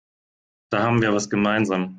Da haben wir was gemeinsam.